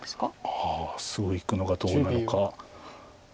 ああそういくのがどうなのか。